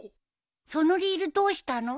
そのリールどうしたの？